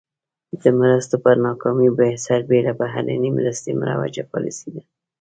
د مرستو پر ناکامۍ سربېره بهرنۍ مرستې مروجه پالیسي ده.